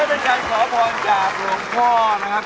เป็นการขอพรจากหลวงพ่อนะครับ